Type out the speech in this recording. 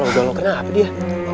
gak lo gak lo kenapa dia